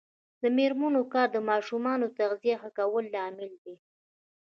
د میرمنو کار د ماشومانو تغذیه ښه کولو لامل دی.